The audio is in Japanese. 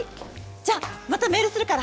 じゃまたメールするから！